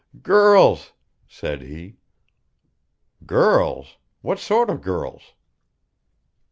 "Girls," said he. "Girls! what sort of girls?"